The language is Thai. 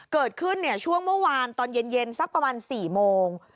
เกิดขึ้นช่วงเมื่อวานตอนเย็นสักประมาณ๔โมง